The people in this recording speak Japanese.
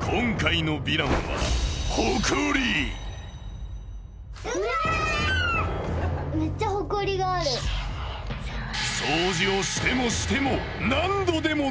今回のヴィランは掃除をしてもしても何度でも出てくる！